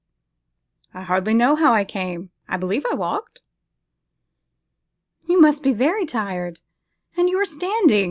'I hardly know how I came; I believe I walked.' 'You must be very tired; and you are standing!